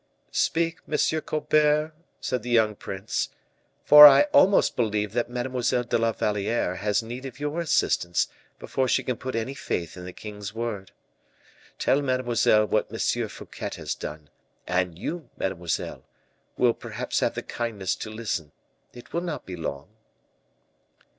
"Speak, Monsieur Colbert," said the young prince, "for I almost believe that Mademoiselle de la Valliere has need of your assistance before she can put any faith in the king's word. Tell mademoiselle what M. Fouquet has done; and you, mademoiselle, will perhaps have the kindness to listen. It will not be long."